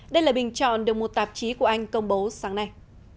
đây là bình chọn được một tạp chí của anh công bố sáng nay